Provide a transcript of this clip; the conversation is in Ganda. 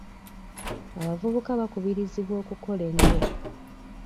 Abavubuka bakubirizibwa okukola ennyo.